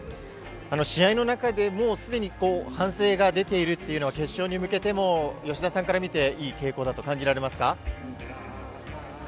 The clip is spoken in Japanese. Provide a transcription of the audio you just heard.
試合の中で、もうすでに反省が出ているというのは、決勝に向けても吉田さんから見て、いい傾向だと感じられますか？